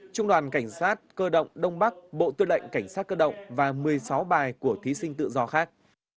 trung đoàn cảnh sát cơ động đông bắc bộ tư lệnh cảnh sát cơ động và một mươi sáu bài của thí sinh tự do khác